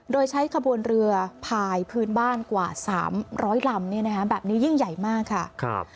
โดยใช้ขบวนเรือพายพื้นบ้านกว่า๓๐๐ลำแบบนี้ยิ่งใหญ่มากค่ะ